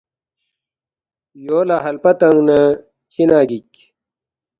یو لہ ہلپہ تنگ نہ چِنا گِک؟“